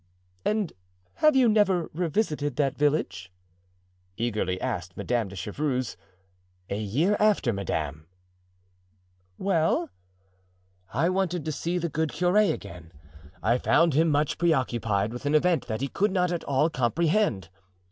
"And have you never revisited that village?" eagerly asked Madame de Chevreuse. "A year after, madame." "Well?" "I wanted to see the good curé again. I found him much preoccupied with an event that he could not at all comprehend.